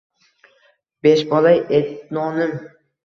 Beshbola – etnonim.